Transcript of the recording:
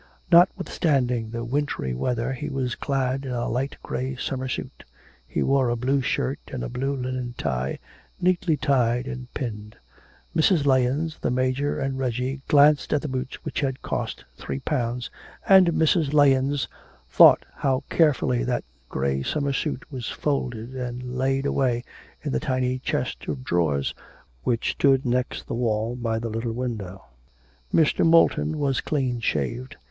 Notwithstanding the wintry weather he was clad in a light grey summer suit; he wore a blue shirt and a blue linen tie, neatly tied and pinned. Mrs. Lahens, the Major, and Reggie glanced at the boots which had cost three pounds, and Mrs. Lahens thought how carefully that grey summer suit was folded and laid away in the tiny chest of drawers which stood next the wall by the little window. Mr. Moulton was clean shaved.